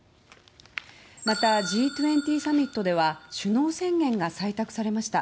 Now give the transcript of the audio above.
また、Ｇ２０サミットでは首脳宣言が採択されました。